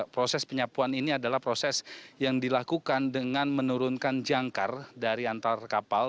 proses penyapuan ini adalah proses yang dilakukan dengan menurunkan jangkar dari antar kapal